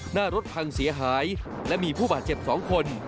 หน้ารถพังเสียหายและมีผู้บาดเจ็บ๒คน